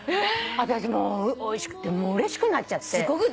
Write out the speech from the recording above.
あたしもうおいしくてうれしくなっちゃって。